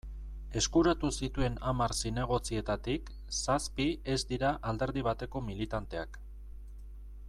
Eskuratu zituen hamar zinegotzietatik, zazpi ez dira alderdi bateko militanteak.